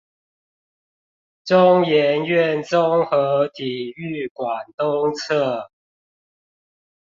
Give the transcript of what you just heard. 中研院綜合體育館東側